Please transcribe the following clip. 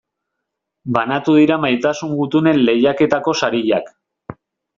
Banatu dira Maitasun Gutunen lehiaketako sariak.